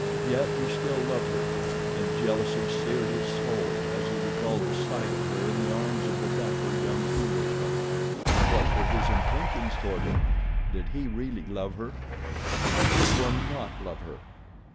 Yet he still loved her, and jealousy seared his soul as he recalled the sight of her in the arms of the dapper young Englishman. What were his intentions toward her? Did he really love her? How could one not love her?